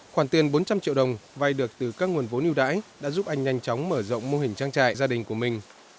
khoản tiền bốn trăm linh triệu đồng vay được từ các nguồn vốn ưu đãi đã giúp anh nhanh chóng mở rộng mô hình trang trại gia đình của mình